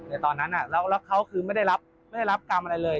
แต่ตอนนั้นแล้วเขาคือไม่ได้รับกรรมอะไรเลย